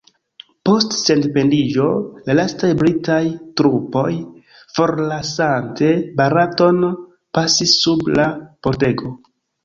Post sendependiĝo, la lastaj britaj trupoj forlasante Baraton pasis sub la pordego.